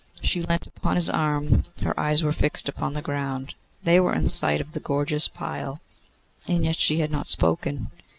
She leant upon his arm; her eyes were fixed upon the ground; they were in sight of the gorgeous pile, and yet she had not spoken.